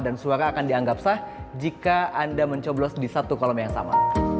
dan suara akan dianggap sah jika anda mencoblos di satu kolom yang sama